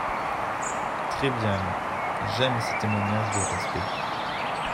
Très bien… j’aime ces témoignages de respect…